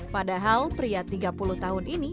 padahal pria tiga puluh tahun ini